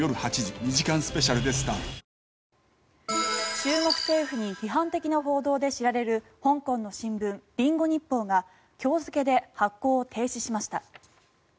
中国政府に批判的な報道で知られる香港の新聞リンゴ日報が今日付で発行を停止しました。